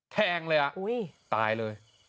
แทงเลยอ่ะตายเลย